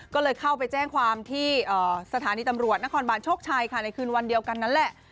ก็เลยเข้าไปแจ้งความที่สถานีตำรวจนครบานโชคชัยค่ะในคืนวันเดียวกันนั่นแหละ